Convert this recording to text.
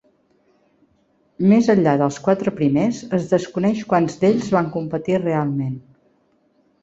Més enllà dels quatre primers es desconeix quants d'ells van competir realment.